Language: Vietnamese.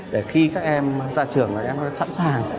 để khi các em ra trường là các em sẵn sàng